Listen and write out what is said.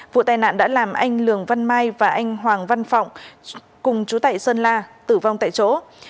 vụ tai nạn đã làm anh lường văn mai và anh hoàng văn phọng cùng chú tại sơn la tử vong tại chỗ